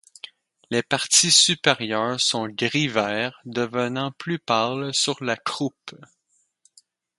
Les parties supérieures sont gris-vert devenant plus pâle sur la croupe.